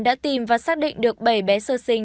đã tìm và xác định được bảy bé sơ sinh